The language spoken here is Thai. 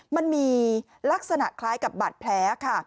มันมีลักษณะคล้ายกับบาดแผลค่ะ